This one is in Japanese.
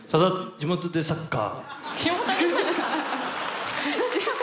地元でサッカー。